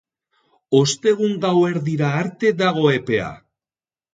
Ostegun gauerdira arte dago epea.